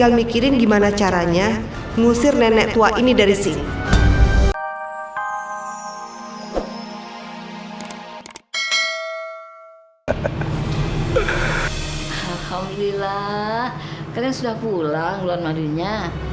alhamdulillah kalian sudah pulang bulan madunya